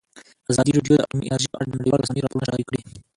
ازادي راډیو د اټومي انرژي په اړه د نړیوالو رسنیو راپورونه شریک کړي.